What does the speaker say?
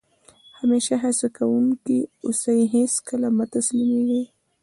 همېشه هڅه کوونکی اوسى؛ هېڅ کله مه تسلیمېږي!